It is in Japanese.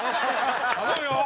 頼むよ！